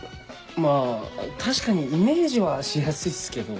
まぁ確かにイメージはしやすいっすけど。